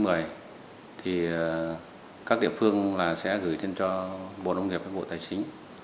rồi các địa phương sẽ gửi thêm cho bộ nông nghiệp và bộ tài chính